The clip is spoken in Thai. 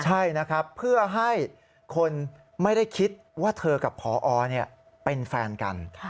ใช่นะครับเพื่อให้คนไม่ได้คิดว่าเธอกับพอเป็นแฟนกัน